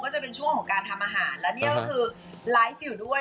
ก็จะเป็นช่วงของการทำอาหารแล้วนี่ก็คือด้วย